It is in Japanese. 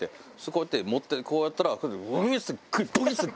こうやって持ってこうやったらぐいーって。